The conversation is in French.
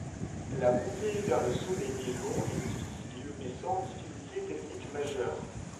La montée vers le sommet est longue et difficile mais sans difficultés techniques majeures.